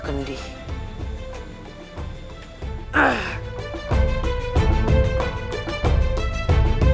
aku sangat jauh dari istana